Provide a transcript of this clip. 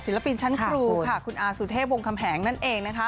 ปินชั้นครูค่ะคุณอาสุเทพวงคำแหงนั่นเองนะคะ